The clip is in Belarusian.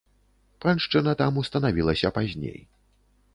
Паншчына там устанавілася пазней.